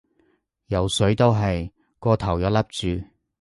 游水都係，個頭又笠住